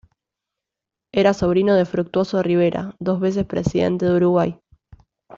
Era sobrino de Fructuoso Rivera, dos veces presidente de Uruguay.